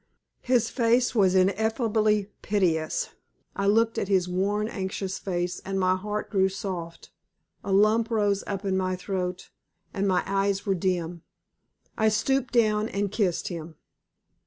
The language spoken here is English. His face was ineffably piteous. I looked at his worn, anxious face, and my heart grew soft. A lump rose up in my throat, and my eyes were dim. I stooped down and kissed him.